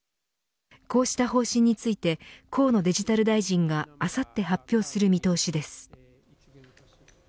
こうした方針について河野デジタル大臣があさって発表する見通しです。